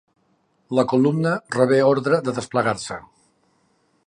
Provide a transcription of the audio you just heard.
La columna rebé ordre de desplegar-se.